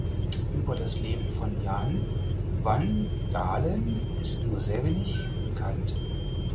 Über das Leben von Jan van Dalen ist nur sehr wenig bekannt.